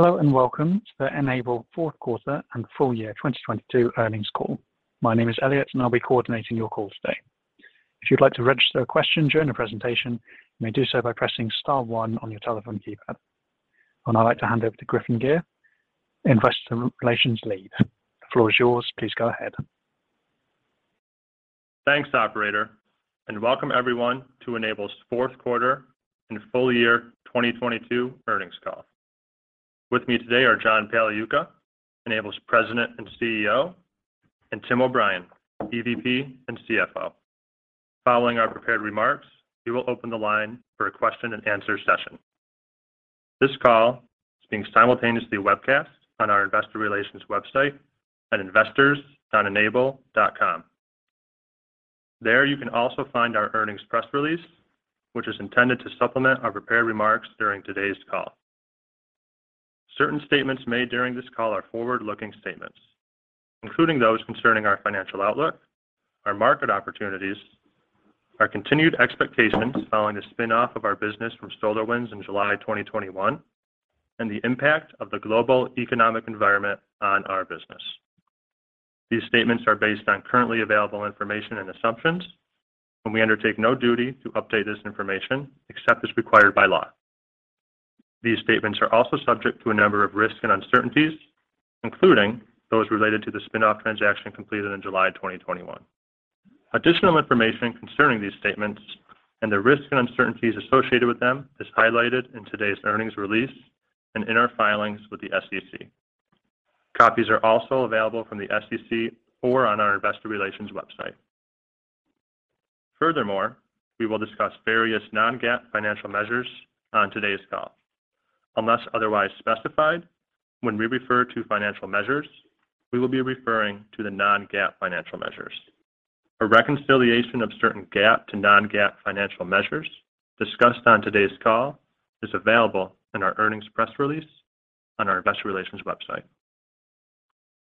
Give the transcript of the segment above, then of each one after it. Hello and welcome to the N-able Fourth Quarter and Full Year 2022 Earnings Call. My name is Elliot, and I'll be coordinating your call today. If you'd like to register a question during the presentation, you may do so by pressing star one on your telephone keypad. I'd like to hand over to Griffin Gyr, Investor Relations Lead. The floor is yours. Please go ahead. Thanks, Operator, and welcome everyone to N-able's Fourth Quarter and Full Year 2022 Earnings Call. With me today are John Pagliuca, N-able's President and CEO, and Tim O'Brien, EVP and CFO. Following our prepared remarks, we will open the line for a question-and-answer session. This call is being simultaneously webcast on our Investor Relations website at investors.n-able.com. There you can also find our earnings press release, which is intended to supplement our prepared remarks during today's call. Certain statements made during this call are forward-looking statements, including those concerning our financial outlook, our market opportunities, our continued expectations following the spin-off of our business from SolarWinds in July 2021, and the impact of the global economic environment on our business. These statements are based on currently available information and assumptions, and we undertake no duty to update this information except as required by law. These statements are also subject to a number of risks and uncertainties, including those related to the spin-off transaction completed in July 2021. Additional information concerning these statements and the risks and uncertainties associated with them is highlighted in today's earnings release and in our filings with the SEC. Copies are also available from the SEC or on our Investor Relations website. Furthermore, we will discuss various non-GAAP financial measures on today's call. Unless otherwise specified, when we refer to financial measures, we will be referring to the non-GAAP financial measures. A reconciliation of certain GAAP to non-GAAP financial measures discussed on today's call is available in our earnings press release on our investor relations website.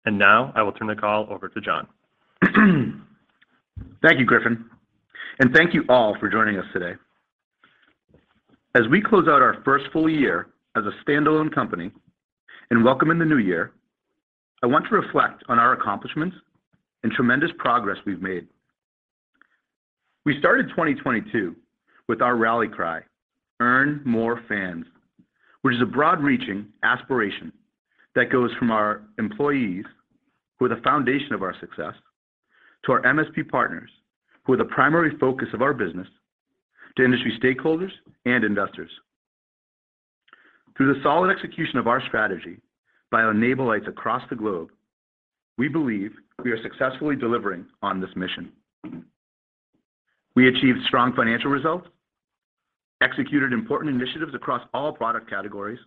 Now, I will turn the call over to John. Thank you, Griffin, thank you all for joining us today. As we close out our first full year as a standalone company and welcome in the new year, I want to reflect on our accomplishments and tremendous progress we've made. We started 2022 with our rally cry, earn more fans, which is a broad reaching aspiration that goes from our employees, who are the foundation of our success, to our MSP partners, who are the primary focus of our business, to industry stakeholders and investors. Through the solid execution of our strategy by N-ablites across the globe, we believe we are successfully delivering on this mission. We achieved strong financial results, executed important initiatives across all product categories,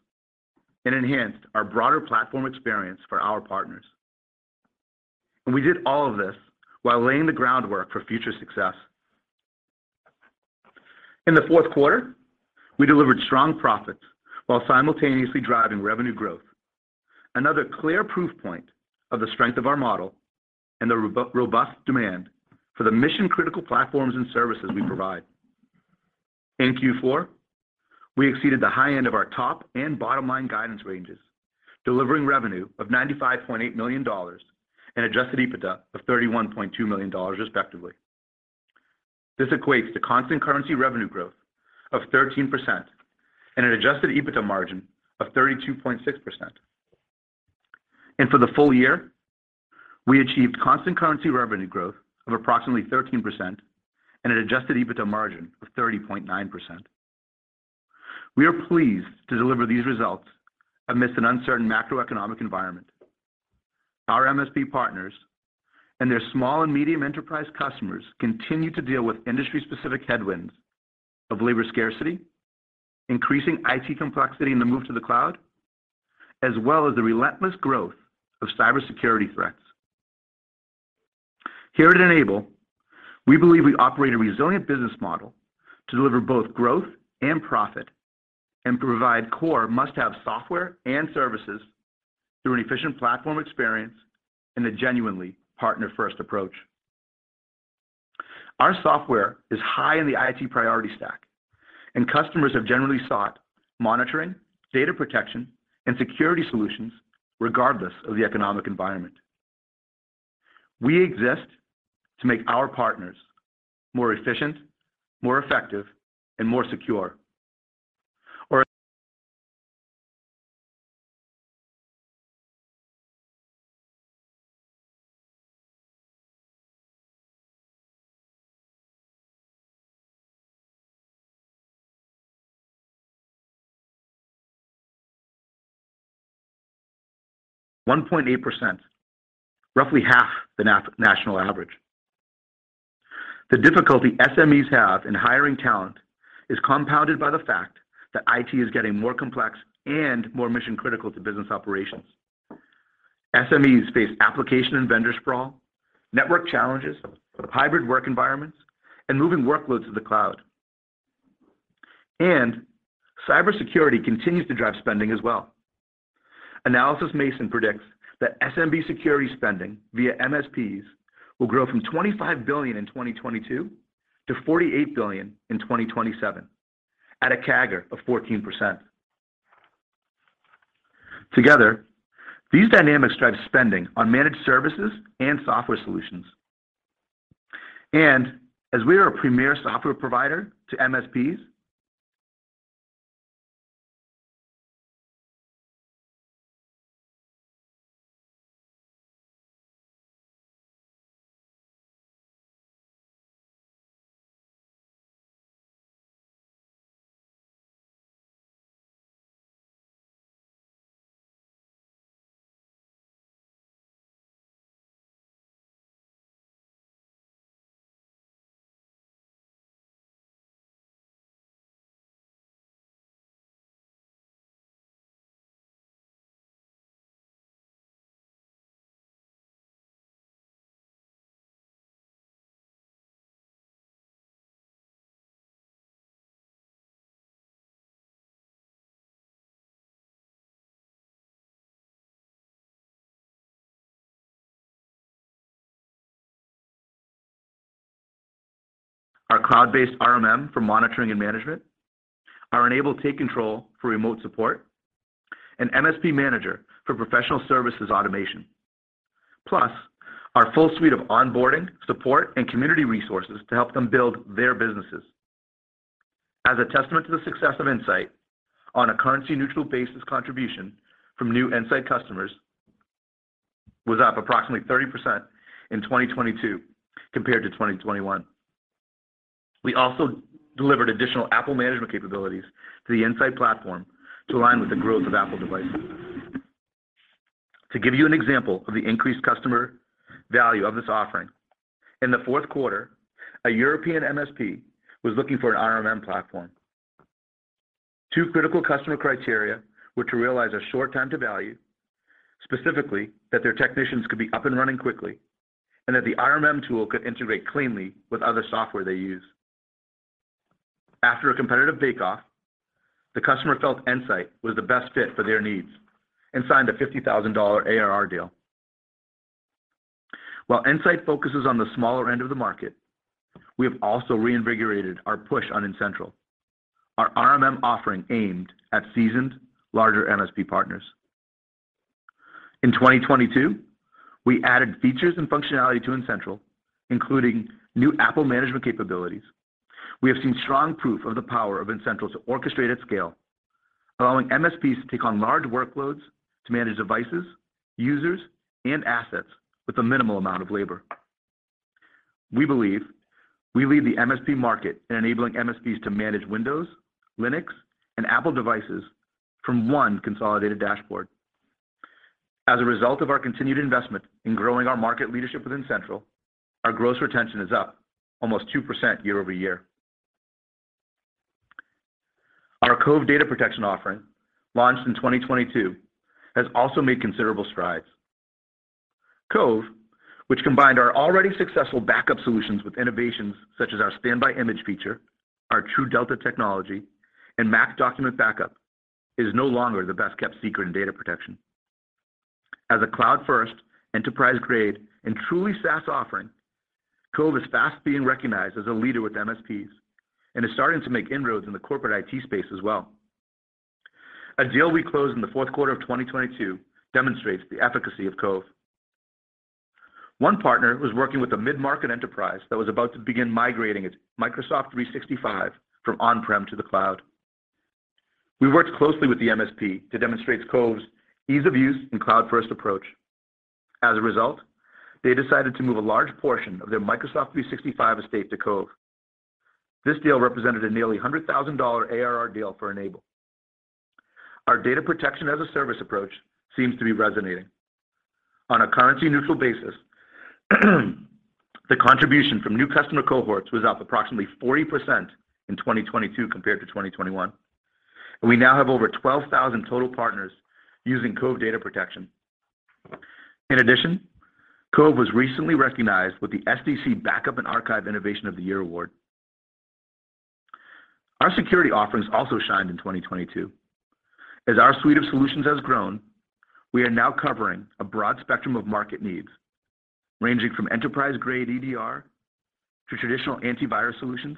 and enhanced our broader platform experience for our partners. We did all of this while laying the groundwork for future success. In the fourth quarter, we delivered strong profits while simultaneously driving revenue growth. Another clear proof point of the strength of our model and the robust demand for the mission-critical platforms and services we provide. In Q4, we exceeded the high end of our top and bottom line guidance ranges, delivering revenue of $95.8 million and Adjusted EBITDA of $31.2 million respectively. This equates to constant currency revenue growth of 13% and an Adjusted EBITDA margin of 32.6%. For the full year, we achieved constant currency revenue growth of approximately 13% and an Adjusted EBITDA margin of 30.9%. We are pleased to deliver these results amidst an uncertain macroeconomic environment. Our MSP partners and their small and medium enterprise customers continue to deal with industry-specific headwinds of labor scarcity, increasing IT complexity in the move to the cloud, as well as the relentless growth of cybersecurity threats. Here at N-able, we believe we operate a resilient business model to deliver both growth and profit and provide core must-have software and services through an efficient platform experience and a genuinely partner-first approach. Our software is high in the IT priority stack, and customers have generally sought monitoring, data protection, and security solutions regardless of the economic environment. We exist to make our partners more efficient, more effective, and more secure. 1.8%, roughly half the national average. The difficulty SMEs have in hiring talent is compounded by the fact that IT is getting more complex and more mission-critical to business operations. SMEs face application and vendor sprawl, network challenges of hybrid work environments, and moving workloads to the cloud. Cybersecurity continues to drive spending as well. Analysys Mason predicts that SMB security spending via MSPs will grow from $25 billion in 2022 to $48 billion in 2027 at a CAGR of 14%. Together, these dynamics drive spending on managed services and software solutions. As we are a premier software provider to MSPs. Our cloud-based RMM for monitoring and management, our N-able Take Control for remote support, and MSP Manager for professional services automation, plus our full suite of onboarding, support, and community resources to help them build their businesses. As a testament to the success of N-sight, on a currency-neutral basis contribution from new N-sight customers was up approximately 30% in 2022 compared to 2021. We also delivered additional Apple management capabilities to the N-sight platform to align with the growth of Apple devices. To give you an example of the increased customer value of this offering, in the fourth quarter, a European MSP was looking for an RMM platform. Two critical customer criteria were to realize a short time to value, specifically that their technicians could be up and running quickly, and that the RMM tool could integrate cleanly with other software they use. After a competitive bake-off, the customer felt N-sight was the best fit for their needs and signed a $50,000 ARR deal. While N-sight focuses on the smaller end of the market, we have also reinvigorated our push on N-central, our RMM offering aimed at seasoned larger MSP partners. In 2022, we added features and functionality to N-central, including new Apple management capabilities. We have seen strong proof of the power of N-central to orchestrate at scale, allowing MSPs to take on large workloads to manage devices, users, and assets with a minimal amount of labor. We believe we lead the MSP market in enabling MSPs to manage Windows, Linux, and Apple devices from one consolidated dashboard. As a result of our continued investment in growing our market leadership with N-central, our gross retention is up almost 2% year-over-year. Our Cove Data Protection offering, launched in 2022, has also made considerable strides. Cove, which combined our already successful backup solutions with innovations such as our Standby Image feature, our TrueDelta technology, and Mac document backup, is no longer the best-kept secret in data protection. As a cloud-first, enterprise-grade, and truly SaaS offering, Cove is fast being recognized as a leader with MSPs, and is starting to make inroads in the corporate IT space as well. A deal we closed in the fourth quarter of 2022 demonstrates the efficacy of Cove. One partner was working with a mid-market enterprise that was about to begin migrating its Microsoft 365 from on-prem to the cloud. We worked closely with the MSP to demonstrate Cove's ease of use and cloud-first approach. As a result, they decided to move a large portion of their Microsoft 365 estate to Cove. This deal represented a nearly $100,000 ARR deal for N-able. Our data protection as a service approach seems to be resonating. On a currency-neutral basis, the contribution from new customer cohorts was up approximately 40% in 2022 compared to 2021. We now have over 12,000 total partners using Cove Data Protection. In addition, Cove was recently recognized with the SDC Backup and Archive Innovation of the Year award. Our security offerings also shined in 2022. As our suite of solutions has grown, we are now covering a broad spectrum of market needs, ranging from enterprise-grade EDR to traditional antivirus solutions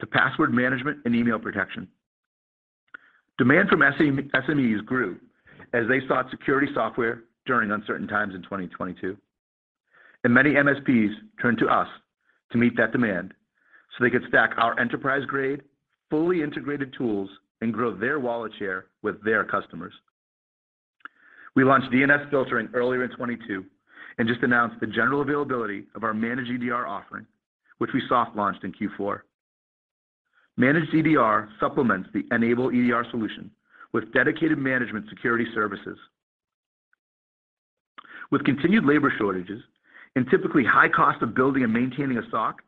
to password management and email protection. Demand from SMEs grew as they sought security software during uncertain times in 2022. Many MSPs turned to us to meet that demand so they could stack our enterprise-grade, fully integrated tools and grow their wallet share with their customers. We launched DNS Filtering earlier in 2022 and just announced the general availability of our Managed EDR offering, which we soft launched in Q4. Managed EDR supplements the N-able EDR solution with dedicated management security services. With continued labor shortages and typically high cost of building and maintaining a SOC,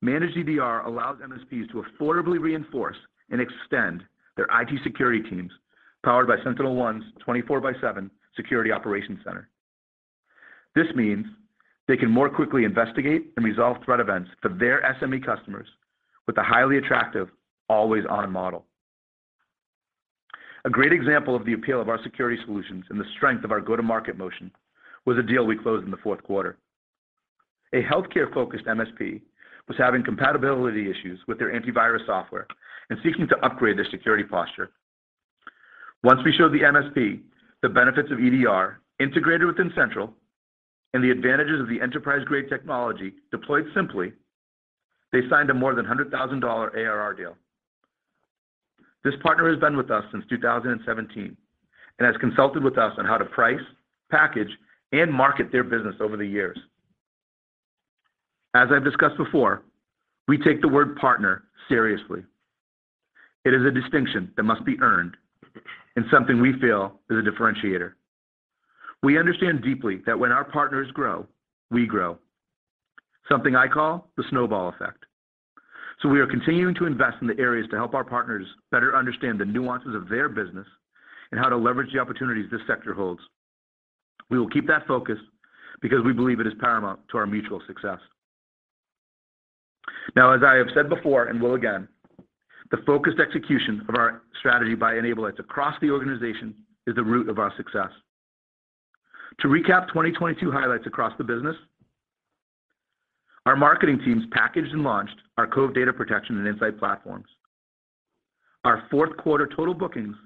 Managed EDR allows MSPs to affordably reinforce and extend their IT security teams powered by SentinelOne's 24 by 7 security operations center. This means they can more quickly investigate and resolve threat events for their SME customers with a highly attractive always-on model. A great example of the appeal of our security solutions and the strength of our go-to-market motion was a deal we closed in the fourth quarter. A healthcare-focused MSP was having compatibility issues with their antivirus software and seeking to upgrade their security posture. Once we showed the MSP the benefits of EDR integrated within Central and the advantages of the enterprise-grade technology deployed simply, they signed a more than $100,000 ARR deal. This partner has been with us since 2017 and has consulted with us on how to price, package, and market their business over the years. As I've discussed before, we take the word partner seriously. It is a distinction that must be earned and something we feel is a differentiator. We understand deeply that when our partners grow, we grow. Something I call the snowball effect. We are continuing to invest in the areas to help our partners better understand the nuances of their business and how to leverage the opportunities this sector holds. We will keep that focus because we believe it is paramount to our mutual success. As I have said before and will again, the focused execution of our strategy by N-ablites across the organization is the root of our success. To recap 2022 highlights across the business, our marketing teams packaged and launched our Cove Data Protection and N-sight platforms. Our fourth quarter total bookings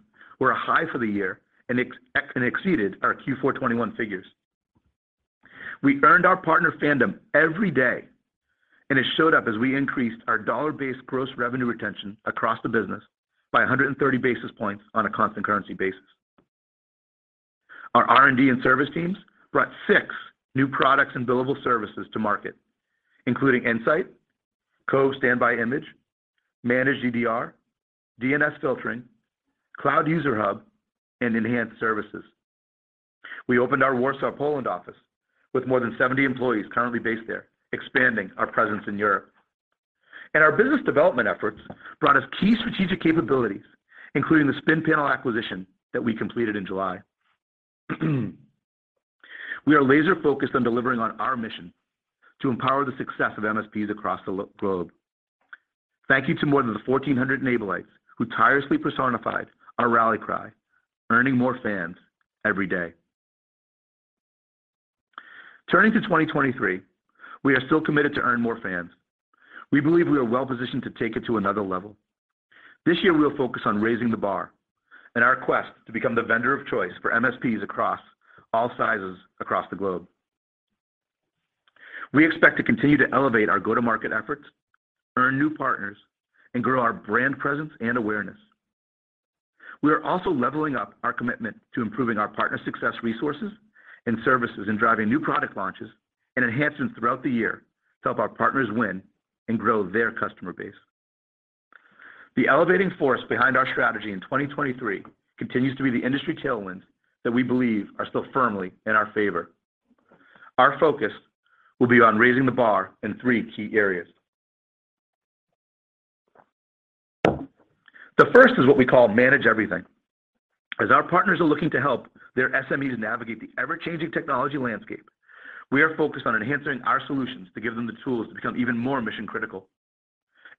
were a high for the year and exceeded our Q4 2021 figures. We earned our partner fandom every day. It showed up as we increased our dollar-based gross revenue retention across the business by 130 basis points on a constant currency basis. Our R&D and service teams brought six new products and billable services to market, including N-sight, Cove Standby Image, Managed EDR, DNS Filtering, Cloud User Hub, and Enhanced Services. We opened our Warsaw, Poland office with more than 70 employees currently based there, expanding our presence in Europe. Our business development efforts brought us key strategic capabilities, including the Spinpanel acquisition that we completed in July. We are laser-focused on delivering on our mission to empower the success of MSPs across the globe. Thank you to more than the 1,400 N-ablites who tirelessly personified our rally cry, earning more fans every day. Turning to 2023, we are still committed to earn more fans. We believe we are well-positioned to take it to another level. This year, we'll focus on raising the bar in our quest to become the vendor of choice for MSPs across all sizes across the globe. We expect to continue to elevate our go-to-market efforts, earn new partners, and grow our brand presence and awareness. We are also leveling up our commitment to improving our partner success resources and services in driving new product launches and enhancements throughout the year to help our partners win and grow their customer base. The elevating force behind our strategy in 2023 continues to be the industry tailwinds that we believe are still firmly in our favor. Our focus will be on raising the bar in three key areas. The first is what we call Manage Everything. As our partners are looking to help their SMEs navigate the ever-changing technology landscape, we are focused on enhancing our solutions to give them the tools to become even more mission-critical.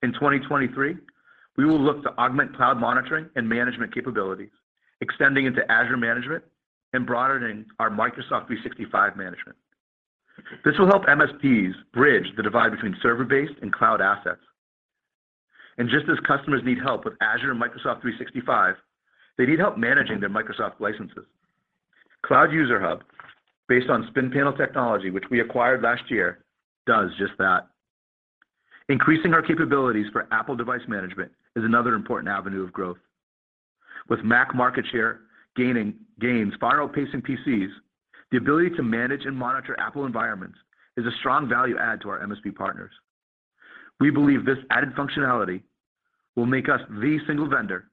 In 2023, we will look to augment cloud monitoring and management capabilities, extending into Azure management and broadening our Microsoft 365 management. This will help MSPs bridge the divide between server-based and cloud assets. Just as customers need help with Azure and Microsoft 365, they need help managing their Microsoft licenses. Cloud User Hub, based on Spinpanel technology, which we acquired last year, does just that. Increasing our capabilities for Apple device management is another important avenue of growth. With Mac market share gains far outpacing PCs, the ability to manage and monitor Apple environments is a strong value add to our MSP partners. We believe this added functionality will make us the single vendor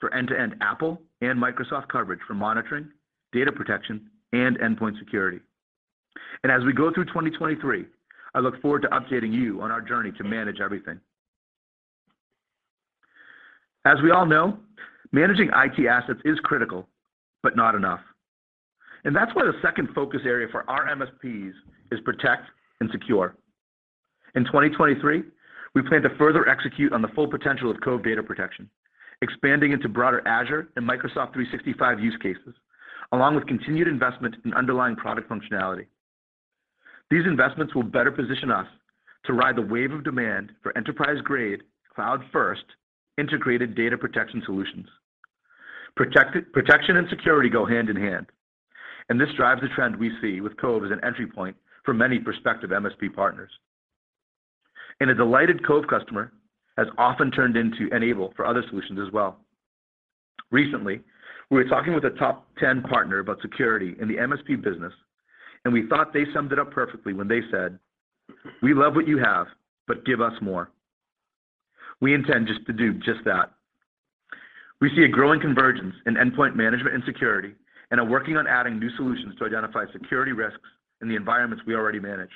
for end-to-end Apple and Microsoft coverage for monitoring, data protection, and endpoint security. As we go through 2023, I look forward to updating you on our journey to manage everything. As we all know, managing IT assets is critical, but not enough. That's why the second focus area for our MSPs is protect and secure. In 2023, we plan to further execute on the full potential of Cove Data Protection, expanding into broader Azure and Microsoft 365 use cases, along with continued investment in underlying product functionality. These investments will better position us to ride the wave of demand for enterprise-grade, cloud-first integrated data protection solutions. Protection and security go hand in hand, and this drives the trend we see with Cove as an entry point for many prospective MSP partners. A delighted Cove customer has often turned into N-able for other solutions as well. Recently, we were talking with a top 10 partner about security in the MSP business, and we thought they summed it up perfectly when they said, "We love what you have, but give us more." We intend to do just that. We see a growing convergence in endpoint management and security and are working on adding new solutions to identify security risks in the environments we already manage.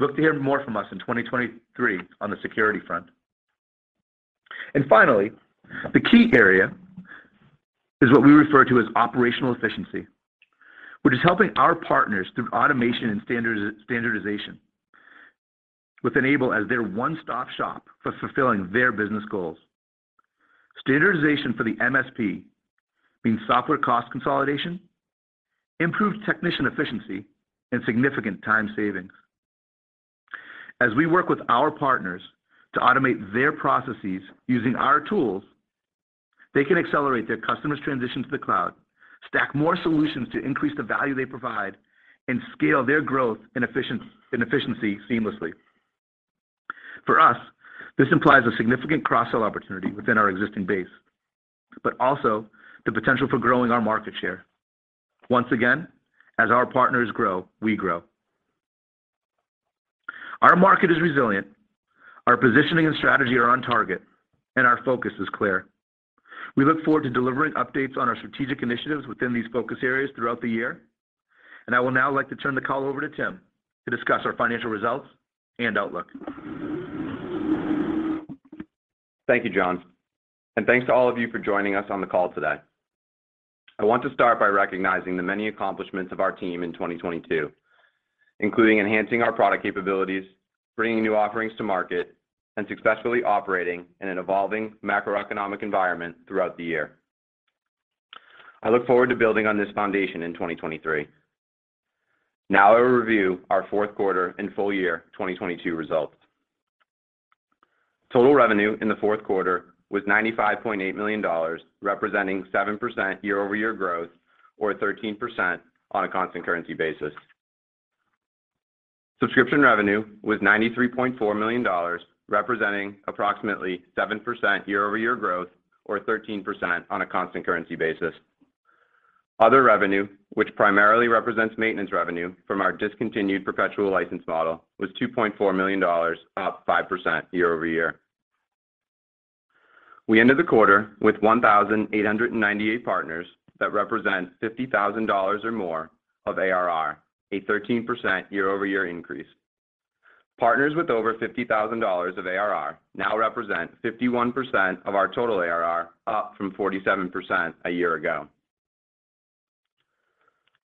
Look to hear more from us in 2023 on the security front. Finally, the key area is what we refer to as operational efficiency, which is helping our partners through automation and standardization. With N-able as their one-stop shop for fulfilling their business goals. Standardization for the MSP means software cost consolidation, improved technician efficiency, and significant time savings. As we work with our partners to automate their processes using our tools, they can accelerate their customers' transition to the cloud, stack more solutions to increase the value they provide, and scale their growth and efficiency seamlessly. For us, this implies a significant cross-sell opportunity within our existing base, but also the potential for growing our market share. Once again, as our partners grow, we grow. Our market is resilient, our positioning and strategy are on target, and our focus is clear. We look forward to delivering updates on our strategic initiatives within these focus areas throughout the year. I would now like to turn the call over to Tim to discuss our financial results and outlook. Thank you, John, and thanks to all of you for joining us on the call today. I want to start by recognizing the many accomplishments of our team in 2022, including enhancing our product capabilities, bringing new offerings to market, and successfully operating in an evolving macroeconomic environment throughout the year. I look forward to building on this foundation in 2023. Now I will review our fourth quarter and full year 2022 results. Total revenue in the fourth quarter was $95.8 million, representing 7% year-over-year growth, or 13% on a constant currency basis. Subscription revenue was $93.4 million, representing approximately 7% year-over-year growth, or 13% on a constant currency basis. Other revenue, which primarily represents maintenance revenue from our discontinued perpetual license model, was $2.4 million, up 5% year-over-year. We ended the quarter with 1,898 partners that represent $50,000 or more of ARR, a 13% year-over-year increase. Partners with over $50,000 of ARR now represent 51% of our total ARR, up from 47% a year ago.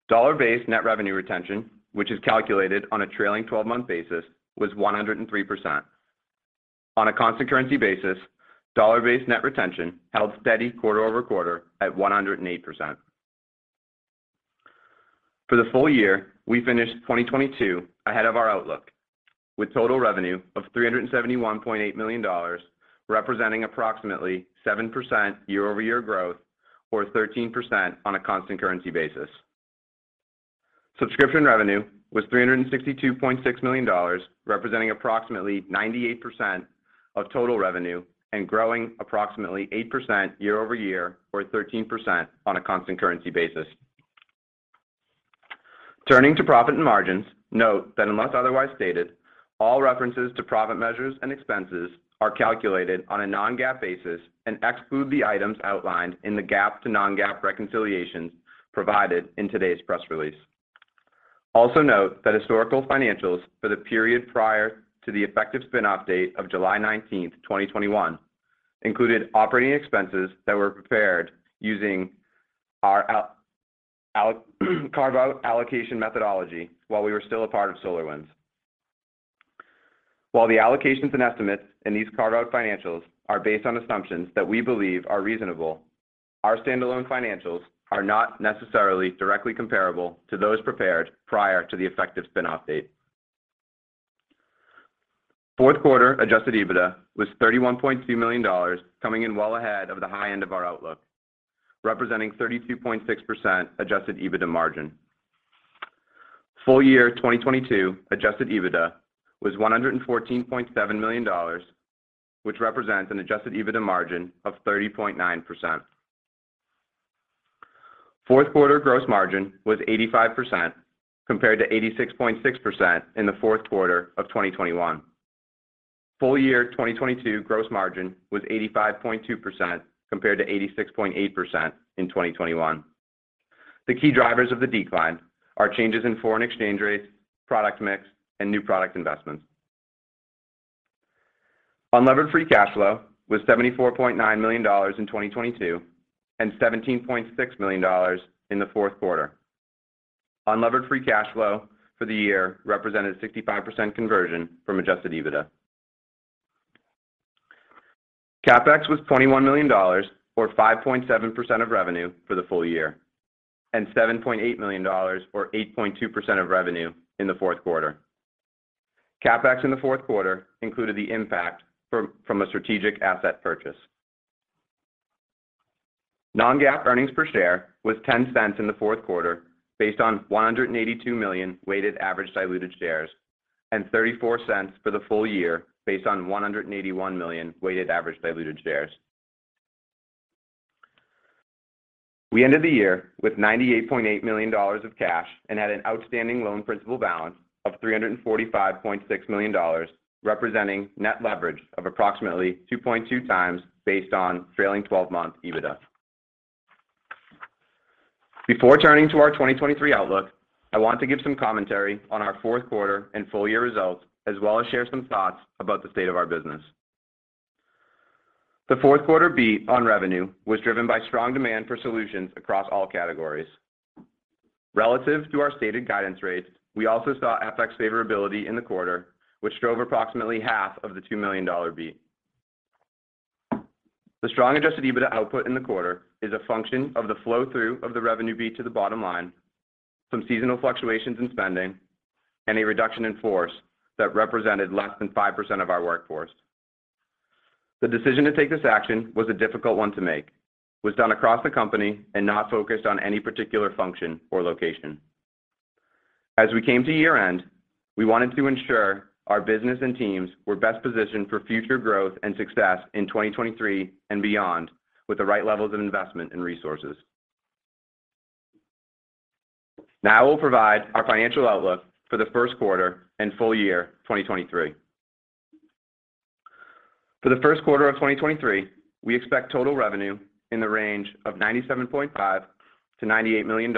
Dollar-based net revenue retention, which is calculated on a trailing 12 month basis, was 103%. On a constant currency basis, dollar-based net retention held steady quarter-over-quarter at 108%. For the full year, we finished 2022 ahead of our outlook, with total revenue of $371.8 million, representing approximately 7% year-over-year growth, or 13% on a constant currency basis. Subscription revenue was $362.6 million, representing approximately 98% of total revenue and growing approximately 8% year-over-year, or 13% on a constant currency basis. Turning to profit and margins, note that unless otherwise stated, all references to profit measures and expenses are calculated on a non-GAAP basis and exclude the items outlined in the GAAP to non-GAAP reconciliations provided in today's press release. Note that historical financials for the period prior to the effective spin-off date of July 19, 2021, included operating expenses that were prepared using our carve-out allocation methodology while we were still a part of SolarWinds. The allocations and estimates in these carve-out financials are based on assumptions that we believe are reasonable, our standalone financials are not necessarily directly comparable to those prepared prior to the effective spin-off date. Fourth quarter Adjusted EBITDA was $31.2 million, coming in well ahead of the high end of our outlook, representing 32.6% Adjusted EBITDA margin. Full year 2022 Adjusted EBITDA was $114.7 million, which represents an Adjusted EBITDA margin of 30.9%. Fourth quarter gross margin was 85% compared to 86.6% in the fourth quarter of 2021. Full year 2022 gross margin was 85.2% compared to 86.8% in 2021. The key drivers of the decline are changes in foreign exchange rates, product mix, and new product investments. Unlevered free cash flow was $74.9 million in 2022, and $17.6 million in the fourth quarter. Unlevered free cash flow for the year represented 65% conversion from Adjusted EBITDA. CapEx was $21 million, or 5.7% of revenue for the full year, and $7.8 million or 8.2% of revenue in the fourth quarter. CapEx in the fourth quarter included the impact from a strategic asset purchase. Non-GAAP earnings per share was $0.10 in the fourth quarter based on 182 million weighted average diluted shares, and $0.34 for the full year based on 181 million weighted average diluted shares. We ended the year with $98.8 million of cash and had an outstanding loan principal balance of $345.6 million, representing net leverage of approximately 2.2x based on trailing 12 month EBITDA. Before turning to our 2023 outlook, I want to give some commentary on our fourth quarter and full year results, as well as share some thoughts about the state of our business. The fourth quarter beat on revenue was driven by strong demand for solutions across all categories. Relative to our stated guidance rates, we also saw FX favorability in the quarter, which drove approximately half of the $2 million beat. The strong Adjusted EBITDA output in the quarter is a function of the flow-through of the revenue beat to the bottom line, some seasonal fluctuations in spending, and a reduction in force that represented less than 5% of our workforce. The decision to take this action was a difficult one to make. It was done across the company and not focused on any particular function or location. As we came to year-end, we wanted to ensure our business and teams were best positioned for future growth and success in 2023 and beyond, with the right levels of investment and resources. We'll provide our financial outlook for the first quarter and full year 2023. For the first quarter of 2023, we expect total revenue in the range of $97.5 million-$98 million,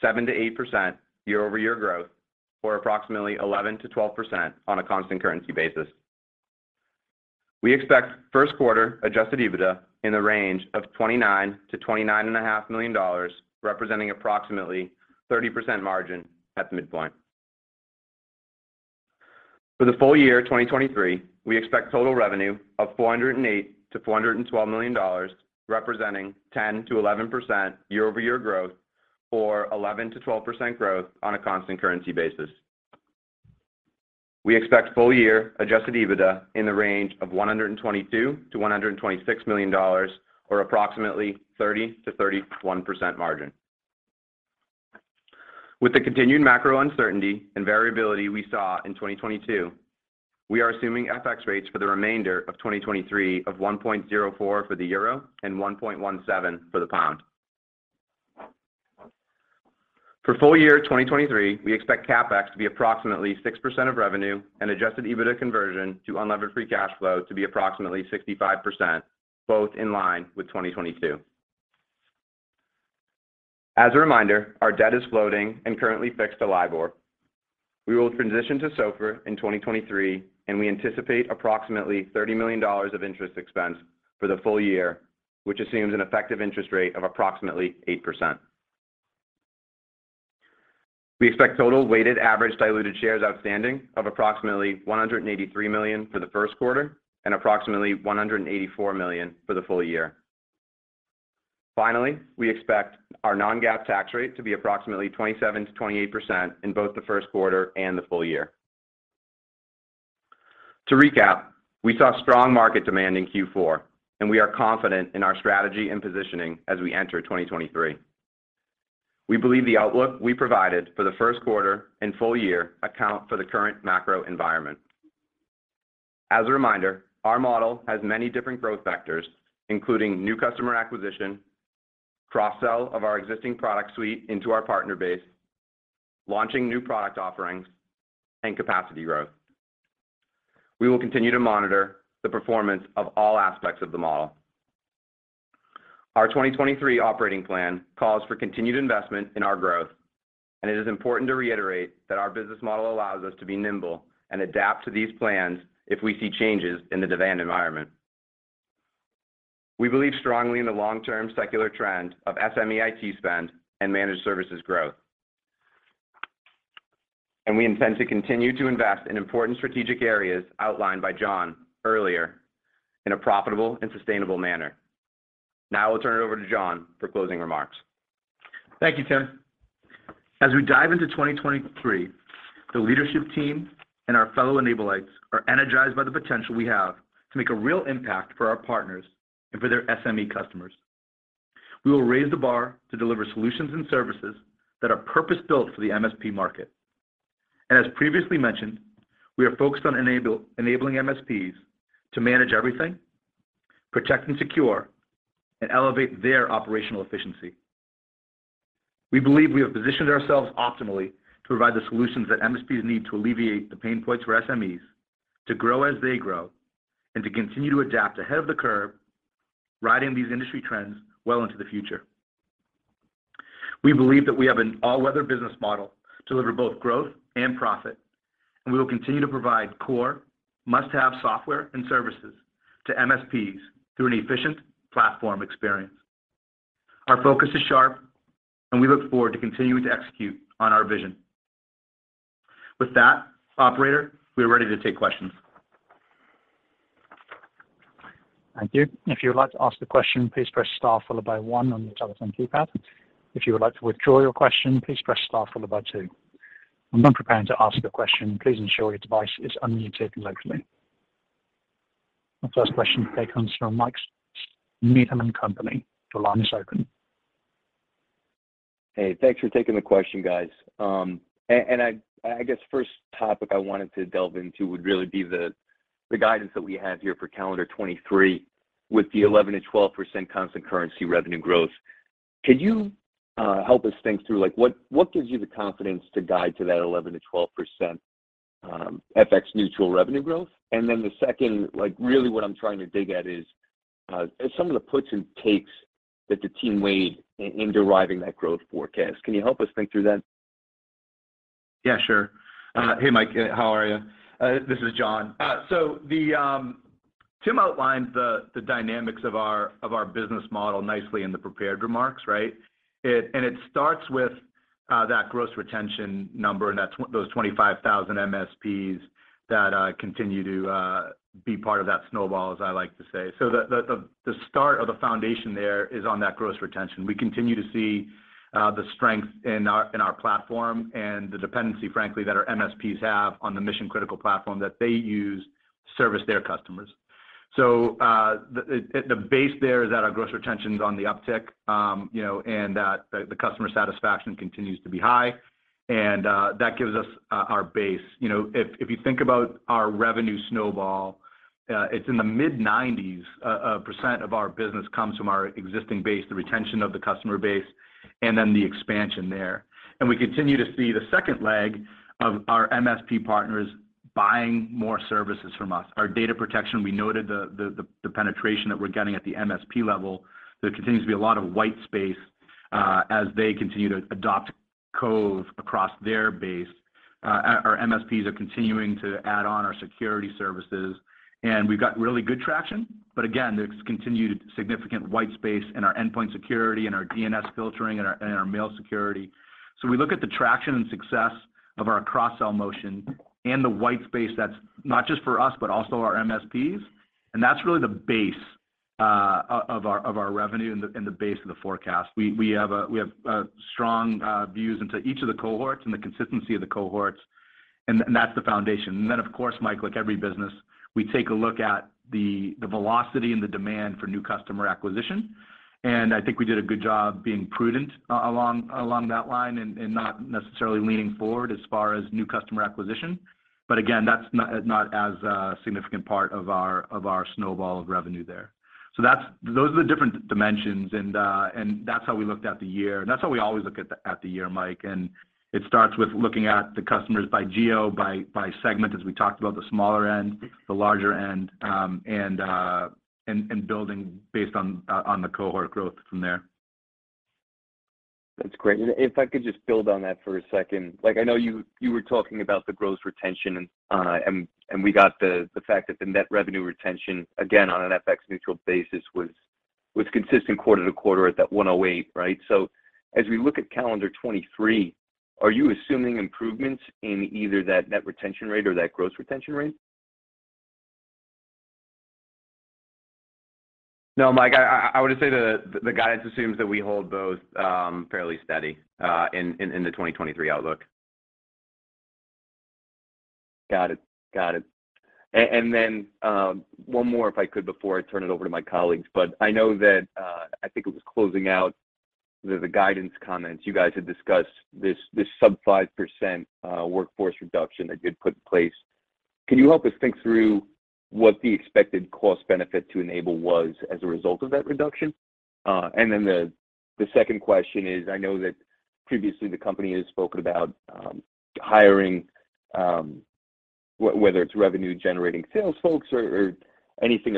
representing approximately 7%-8% year-over-year growth, or approximately 11%-12% on a constant currency basis. We expect first quarter Adjusted EBITDA in the range of $29 million-$29.5 million, representing approximately 30% margin at the midpoint. For the full year 2023, we expect total revenue of $408 million-$412 million, representing 10%-11% year-over-year growth, or 11%-12% growth on a constant currency basis. We expect full year Adjusted EBITDA in the range of $122 million-$126 million, or approximately 30%-31% margin. With the continued macro uncertainty and variability we saw in 2022, we are assuming FX rates for the remainder of 2023 of 1.04 for the EUR and 1.17 for the GBP. For full year 2023, we expect CapEx to be approximately 6% of revenue and Adjusted EBITDA conversion to unlevered free cash flow to be approximately 65%, both in line with 2022. As a reminder, our debt is floating and currently fixed to LIBOR. We will transition to SOFR in 2023. We anticipate approximately $30 million of interest expense for the full year, which assumes an effective interest rate of approximately 8%. We expect total weighted average diluted shares outstanding of approximately 183 million for the first quarter and approximately 184 million for the full year. Finally, we expect our non-GAAP tax rate to be approximately 27%-28% in both the first quarter and the full year. To recap, we saw strong market demand in Q4, and we are confident in our strategy and positioning as we enter 2023. We believe the outlook we provided for the first quarter and full year account for the current macro environment. As a reminder, our model has many different growth vectors, including new customer acquisition, cross-sell of our existing product suite into our partner base, launching new product offerings, and capacity growth. We will continue to monitor the performance of all aspects of the model. Our 2023 operating plan calls for continued investment in our growth, it is important to reiterate that our business model allows us to be nimble and adapt to these plans if we see changes in the demand environment. We believe strongly in the long-term secular trend of SME IT spend and managed services growth. We intend to continue to invest in important strategic areas outlined by John earlier in a profitable and sustainable manner. Now I'll turn it over to John for closing remarks. Thank you, Tim. As we dive into 2023, the leadership team and our fellow N-ablites are energized by the potential we have to make a real impact for our partners and for their SME customers. We will raise the bar to deliver solutions and services that are purpose-built for the MSP market. As previously mentioned, we are focused on N-able, enabling MSPs to manage everything, protect and secure, and elevate their operational efficiency. We believe we have positioned ourselves optimally to provide the solutions that MSPs need to alleviate the pain points for SMEs, to grow as they grow, and to continue to adapt ahead of the curve, riding these industry trends well into the future. We believe that we have an all-weather business model to deliver both growth and profit. We will continue to provide core must-have software and services to MSPs through an efficient platform experience. Our focus is sharp, and we look forward to continuing to execute on our vision. With that, operator, we are ready to take questions. Thank you. If you would like to ask the question, please press star followed by one on your telephone keypad. If you would like to withdraw your question, please press star followed by two. When you're preparing to ask the question, please ensure your device is unmuted locally. Our first question today comes from Mike Cikos from Needham & Company. Your line is open. Hey, thanks for taking the question, guys. And I guess first topic I wanted to delve into would really be the guidance that we have here for calendar 2023 with the 11%-12% constant currency revenue growth. Could you help us think through like what gives you the confidence to guide to that 11%-12% FX neutral revenue growth? Then the second, like really what I'm trying to dig at is some of the puts and takes that the team made in deriving that growth forecast. Can you help us think through that? Yeah, sure. Hey, Mike, how are you? This is John. Tim outlined the dynamics of our business model nicely in the prepared remarks, right? It starts with that gross retention number, and that's those 25,000 MSPs that continue to be part of that snowball, as I like to say. The start or the foundation there is on that gross retention. We continue to see the strength in our platform and the dependency, frankly, that our MSPs have on the mission-critical platform that they use to service their customers. The base there is that our gross retention is on the uptick, you know, and that the customer satisfaction continues to be high, and that gives us our base. You know, if you think about our revenue snowball, it's in the mid-nineties % of our business comes from our existing base, the retention of the customer base, and then the expansion there. We continue to see the second leg of our MSP partners buying more services from us. Our data protection, we noted the penetration that we're getting at the MSP level. There continues to be a lot of white space as they continue to adopt Cove across their base. Our MSPs are continuing to add on our security services, and we've got really good traction. Again, there's continued significant white space in our endpoint security, in our DNS Filtering, in our mail security. We look at the traction and success of our cross-sell motion and the white space that's not just for us, but also our MSPs, and that's really the base of our, of our revenue and the, and the base of the forecast. We have a, we have strong views into each of the cohorts and the consistency of the cohorts, and that's the foundation. Then, of course, Mike, like every business, we take a look at the velocity and the demand for new customer acquisition. I think we did a good job being prudent along that line and not necessarily leaning forward as far as new customer acquisition. Again, that's not as a significant part of our, of our snowball of revenue there. Those are the different dimensions and that's how we looked at the year, and that's how we always look at the year, Mike. It starts with looking at the customers by geo, by segment, as we talked about the smaller end, the larger end, and building based on the cohort growth from there. That's great. If I could just build on that for a second. Like, I know you were talking about the gross retention and we got the fact that the net revenue retention, again, on an FX neutral basis was consistent quarter-to-quarter at that 108%, right? As we look at calendar 2023, are you assuming improvements in either that net retention rate or that gross retention rate? No, Mike, I would just say the guidance assumes that we hold both fairly steady in the 2023 outlook. Got it. Got it. One more if I could before I turn it over to my colleagues. I know that, I think it was closing out the guidance comments, you guys had discussed this sub 5% workforce reduction that you'd put in place. Can you help us think through what the expected cost benefit to N-able was as a result of that reduction? The second question is, I know that previously the company has spoken about hiring, whether it's revenue-generating sales folks or anything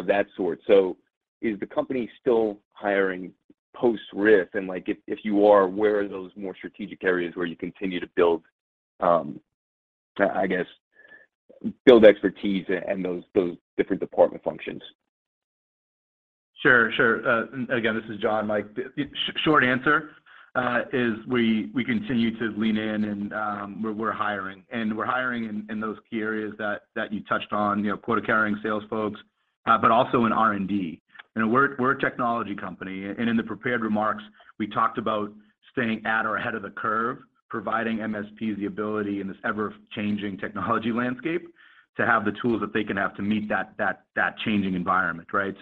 of that sort. Is the company still hiring post-RIF? If you are, where are those more strategic areas where you continue to build, I guess, build expertise in those different department functions? Sure, sure. Again, this is John. Mike, short answer, is we continue to lean in and we're hiring in those key areas that you touched on, you know, quota-carrying sales folks, but also in R&D. You know, we're a technology company, and in the prepared remarks, we talked about staying at or ahead of the curve, providing MSPs the ability in this ever-changing technology landscape to have the tools that they can have to meet that changing environment, right?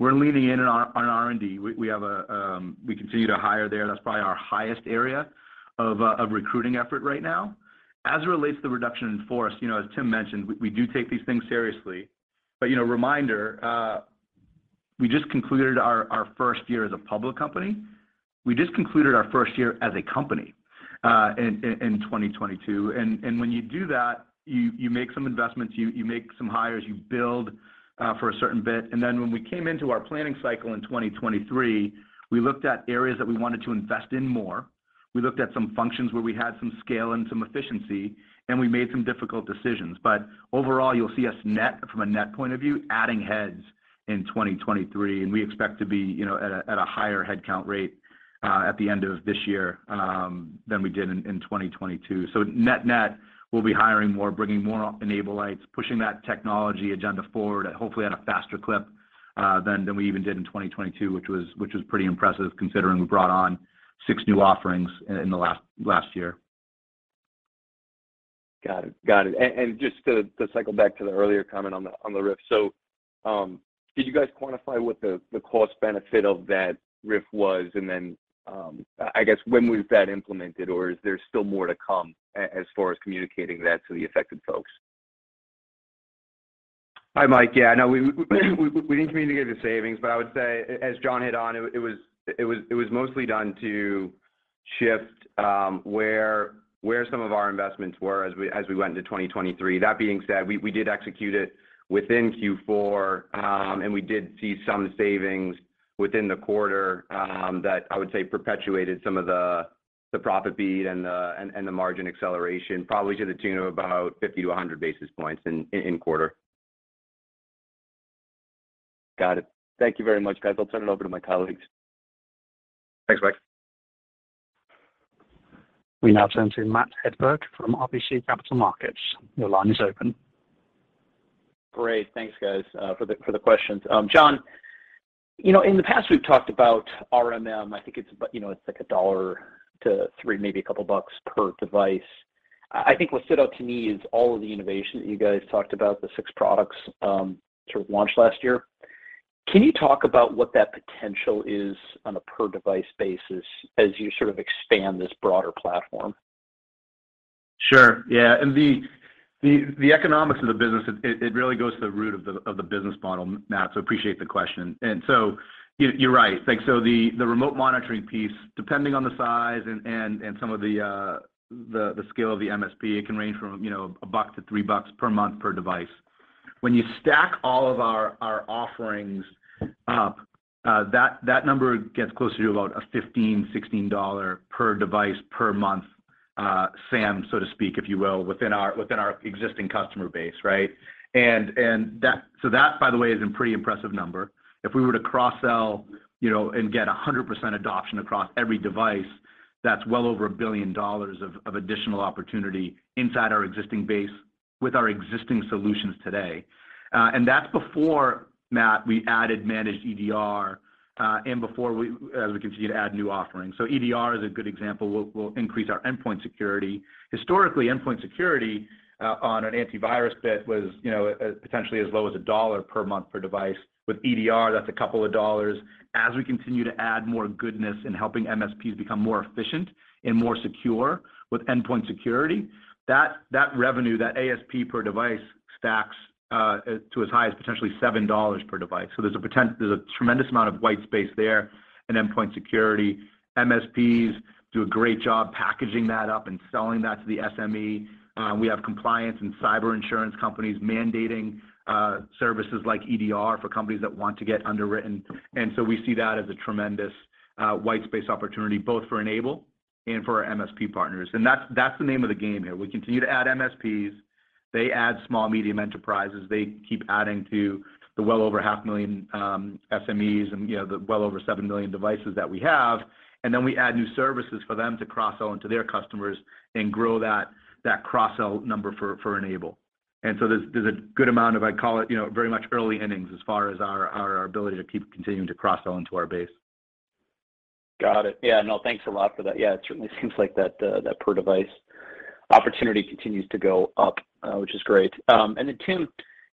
We're leaning in on R&D. We continue to hire there. That's probably our highest area of recruiting effort right now. As it relates to the reduction in force, you know, as Tim mentioned, we do take these things seriously. You know, reminder, we just concluded our first year as a public company. We just concluded our first year as a company in 2022, when you do that, you make some investments, you make some hires, you build for a certain bit. When we came into our planning cycle in 2023, we looked at areas that we wanted to invest in more. We looked at some functions where we had some scale and some efficiency, and we made some difficult decisions. Overall, you'll see us net, from a net point of view, adding heads in 2023, and we expect to be, you know, at a higher headcount rate at the end of this year than we did in 2022. Net net, we'll be hiring more, bringing more N-ablites, pushing that technology agenda forward, hopefully at a faster clip than we even did in 2022, which was pretty impressive considering we brought on six new offerings in the last year. Got it. Got it. Just to cycle back to the earlier comment on the RIF. Did you guys quantify what the cost benefit of that RIF was? Then, I guess when was that implemented, or is there still more to come as far as communicating that to the affected folks? Hi, Mike. Yeah, no, we didn't communicate the savings. I would say as John hit on it was mostly done to shift where some of our investments were as we went into 2023. That being said, we did execute it within Q4. We did see some savings within the quarter, that I would say perpetuated some of the profit beat and the, and the margin acceleration, probably to the tune of about 50-100 basis points in quarter. Got it. Thank you very much, guys. I'll turn it over to my colleagues. Thanks, Mike. We now turn to Matt Hedberg from RBC Capital Markets. Your line is open. Great. Thanks, guys, for the, for the questions. John, you know, in the past, we've talked about RMM. You know, it's like $1-$3, maybe a couple bucks per device. I think what stood out to me is all of the innovation that you guys talked about, the six products, sort of launched last year. Can you talk about what that potential is on a per-device basis as you sort of expand this broader platform? Sure, yeah. The economics of the business, it really goes to the root of the business model, Matt, so appreciate the question. You're right. Like, so the remote monitoring piece, depending on the size and some of the scale of the MSP, it can range from, you know, $1-$3 per month per device. When you stack all of our offerings up, that number gets closer to about a $15-$16 per device per month SAM, so to speak, if you will, within our existing customer base, right? That, by the way, is a pretty impressive number. If we were to cross-sell, you know, and get 100% adoption across every device, that's well over $1 billion of additional opportunity inside our existing base with our existing solutions today. That's before, Matt, we added Managed EDR, and before we continue to add new offerings. EDR is a good example. We'll increase our endpoint security. Historically, endpoint security on an antivirus bid was, you know, potentially as low as $1 per month per device. With EDR, that's a couple of dollars. As we continue to add more goodness in helping MSPs become more efficient and more secure with endpoint security, that revenue, that ASP per device stacks to as high as potentially $7 per device. There's a tremendous amount of white space there in endpoint security. MSPs do a great job packaging that up and selling that to the SME. We have compliance and cyber insurance companies mandating services like EDR for companies that want to get underwritten. We see that as a tremendous white space opportunity, both for N-able and for our MSP partners. That's the name of the game here. We continue to add MSPs. They add small medium enterprises. They keep adding to the well over half a million SMEs and, you know, the well over 7 million devices that we have. We add new services for them to cross-sell into their customers and grow that cross-sell number for N-able. There's a good amount of, I'd call it, you know, very much early innings as far as our ability to keep continuing to cross-sell into our base. Got it. Yeah. No, thanks a lot for that. Yeah, it certainly seems like that per device opportunity continues to go up, which is great. Tim,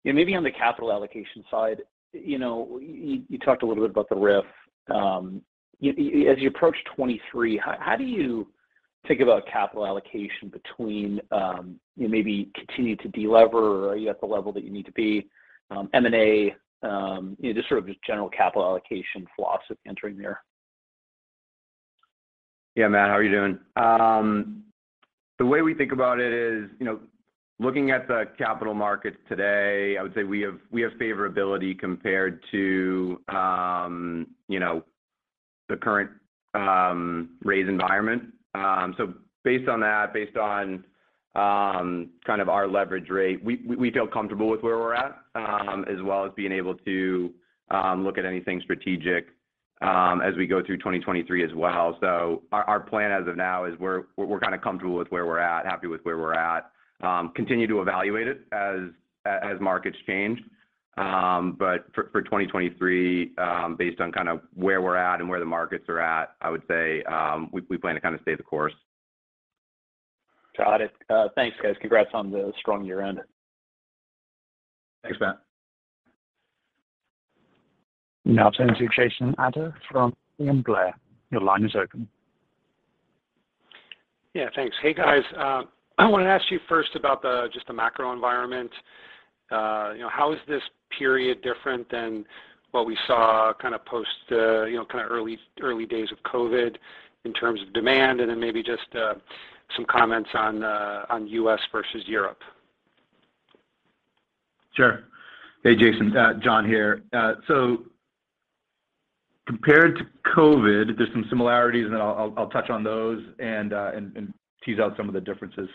you know, maybe on the capital allocation side, you know, you talked a little bit about the RIF. As you approach 2023, how do you think about capital allocation between, you know, maybe continue to delever or are you at the level that you need to be, M&A, you know, just sort of general capital allocation philosophy entering there? Yeah, Matt, how are you doing? The way we think about it is, you know, looking at the capital markets today, I would say we have favorability compared to, you know, the current raise environment. Based on that, based on kind of our leverage rate, we feel comfortable with where we're at, as well as being able to look at anything strategic as we go through 2023 as well. Our plan as of now is we're kind of comfortable with where we're at, happy with where we're at. Continue to evaluate it as markets change. For 2023, based on kind of where we're at and where the markets are at, I would say, we plan to kind of stay the course. Got it. Thanks, guys. Congrats on the strong year-end. Thanks, Matt. Now turn to Jason Ader from William Blair. Your line is open. Yeah, thanks. Hey, guys. I wanna ask you first about the just the macro environment. You know, how is this period different than what we saw kind of post, you know, kind of early days of COVID in terms of demand, and then maybe just some comments on U.S. versus Europe? Sure. Hey, Jason, John here. Compared to COVID, there's some similarities, and then I'll touch on those and tease out some of the differences.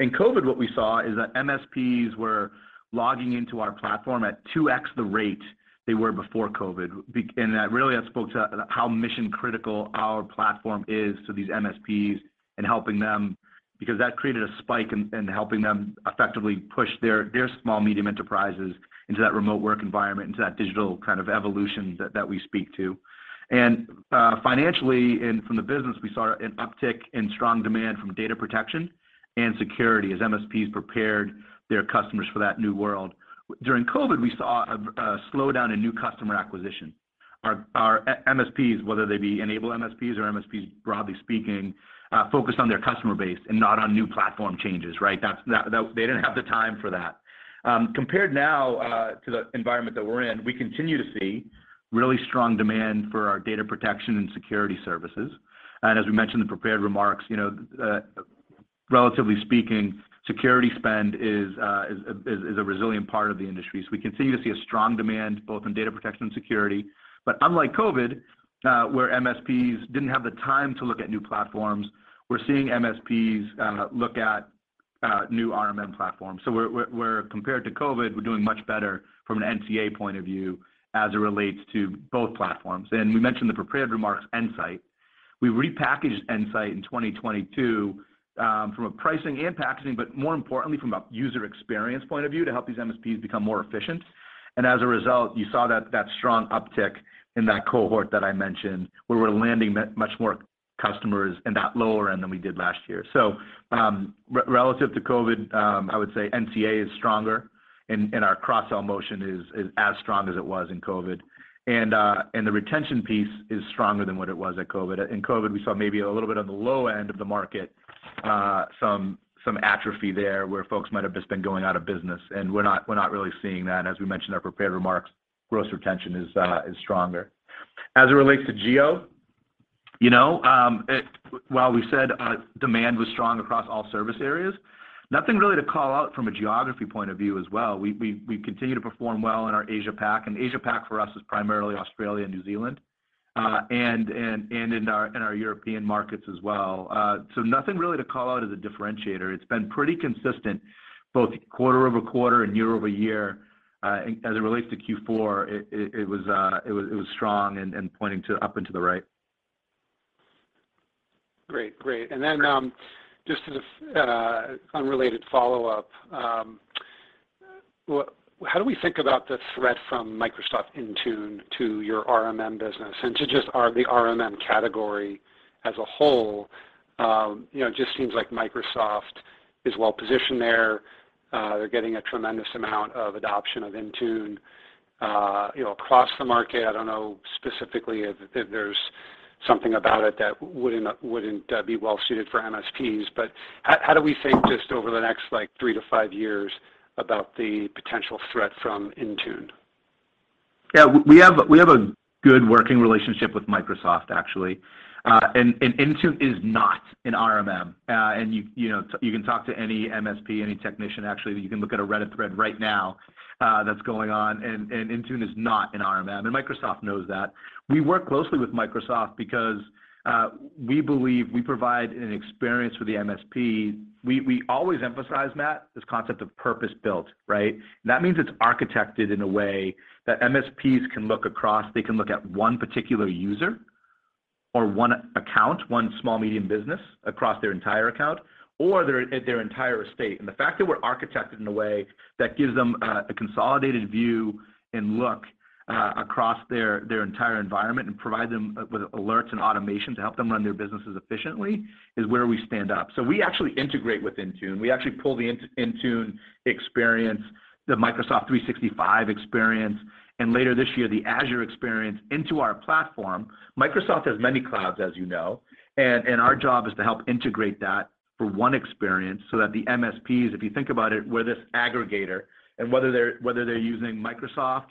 In COVID, what we saw is that MSPs were logging into our platform at 2x the rate they were before COVID. That really, that spoke to how mission-critical our platform is to these MSPs and helping them, because that created a spike in helping them effectively push their small medium enterprises into that remote work environment, into that digital kind of evolution that we speak to. Financially, and from the business, we saw an uptick in strong demand from data protection and security as MSPs prepared their customers for that new world. During COVID, we saw a slowdown in new customer acquisition. Our MSPs, whether they be N-able MSPs or MSPs broadly speaking, focused on their customer base and not on new platform changes, right? They didn't have the time for that. Compared now to the environment that we're in, we continue to see really strong demand for our data protection and security services. As we mentioned in prepared remarks, you know, relatively speaking, security spend is a resilient part of the industry. We continue to see a strong demand both in data protection and security. Unlike COVID, where MSPs didn't have the time to look at new platforms, we're seeing MSPs look at new RMM platforms. We're compared to COVID, we're doing much better from an NTA point of view as it relates to both platforms. We mentioned the prepared remarks, N-sight. We repackaged N-sight in 2022 from a pricing and packaging, but more importantly from a user experience point of view to help these MSPs become more efficient. As a result, you saw that strong uptick in that cohort that I mentioned, where we're landing much more customers in that lower end than we did last year. Relative to COVID, I would say NTA is stronger and our cross-sell motion is as strong as it was in COVID. The retention piece is stronger than what it was at COVID. In COVID, we saw maybe a little bit on the low end of the market, some atrophy there, where folks might have just been going out of business, and we're not really seeing that. As we mentioned in our prepared remarks, gross retention is stronger. As it relates to geo, you know, while we said demand was strong across all service areas, nothing really to call out from a geography point of view as well. We continue to perform well in our Asia-Pac, and Asia-Pac for us is primarily Australia and New Zealand, and in our European markets as well. Nothing really to call out as a differentiator. It's been pretty consistent both quarter-over-quarter and year-over-year. As it relates to Q4, it was strong and pointing to up and to the right. Great. Great. Just as an unrelated follow-up, how do we think about the threat from Microsoft Intune to your RMM business and to just the RMM category as a whole? You know, it just seems like Microsoft is well positioned there. They're getting a tremendous amount of adoption of Intune, you know, across the market. I don't know specifically if there's something about it that wouldn't be well suited for MSPs, but how do we think just over the next, like, three to five years about the potential threat from Intune? Yeah. We have a good working relationship with Microsoft, actually. Intune is not an RMM. You, you know, you can talk to any MSP, any technician, actually, you can look at a Reddit thread right now, that's going on and Intune is not an RMM, and Microsoft knows that. We work closely with Microsoft because we believe we provide an experience for the MSP. We always emphasize, Matt, this concept of purpose-built, right? That means it's architected in a way that MSPs can look across. They can look at one particular user or one account, one small, medium business across their entire account or at their entire estate. The fact that we're architected in a way that gives them a consolidated view and look across their entire environment and provide them with alerts and automation to help them run their businesses efficiently is where we stand up. We actually integrate with Intune. We actually pull the Intune experience, the Microsoft 365 experience, and later this year, the Azure experience into our platform. Microsoft has many clouds, as you know, and our job is to help integrate that for one experience so that the MSPs, if you think about it, we're this aggregator, and whether they're using Microsoft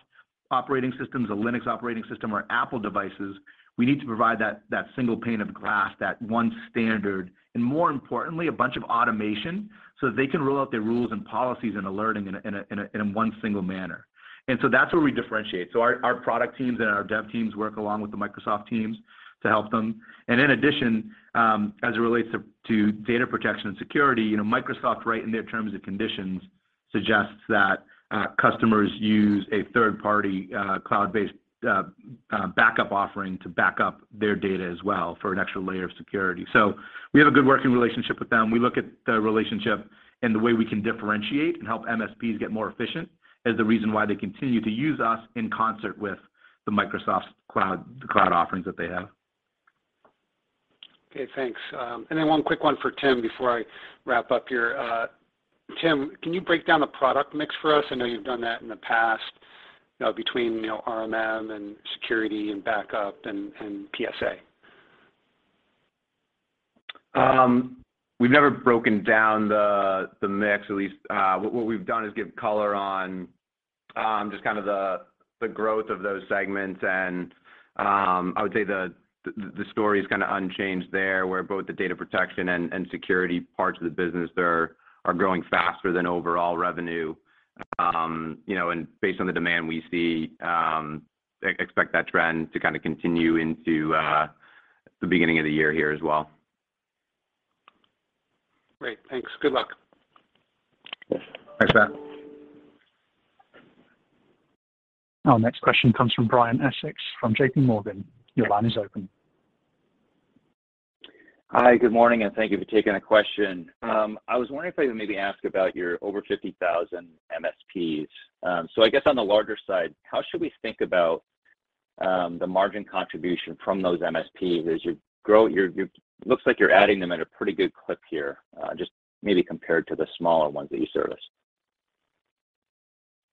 operating systems, a Linux operating system or Apple devices, we need to provide that single pane of glass, that one standard, and more importantly, a bunch of automation so that they can roll out their rules and policies and alerting in a single manner. That's where we differentiate. Our product teams and our dev teams work along with the Microsoft teams to help them. In addition, as it relates to data protection and security, you know, Microsoft, right in their terms and conditions, suggests that customers use a third-party, cloud-based, backup offering to back up their data as well for an extra layer of security. We have a good working relationship with them. We look at the relationship and the way we can differentiate and help MSPs get more efficient as the reason why they continue to use us in concert with the Microsoft cloud, the cloud offerings that they have. Okay, thanks. One quick one for Tim before I wrap up here. Tim, can you break down the product mix for us? I know you've done that in the past, you know, between, you know, RMM and security and backup and PSA. We've never broken down the mix at least. What we've done is give color on just kind of the growth of those segments, and I would say the story is kind of unchanged there, where both the data protection and security parts of the business, they're growing faster than overall revenue. You know, based on the demand we see, expect that trend to kind of continue into the beginning of the year here as well. Great. Thanks. Good luck. Thanks, Matt. Our next question comes from Brian Essex from JPMorgan. Your line is open. Hi, good morning, and thank you for taking a question. I was wondering if I could maybe ask about your over 50,000 MSPs. I guess on the larger side, how should we think about the margin contribution from those MSPs as you grow, looks like you're adding them at a pretty good clip here, just maybe compared to the smaller ones that you service?